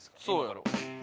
そうやろ。